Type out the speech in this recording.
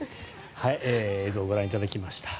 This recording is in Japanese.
映像をご覧いただきました。